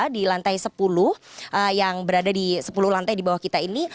di lantai sepuluh yang berada di sepuluh lantai di bawah kita ini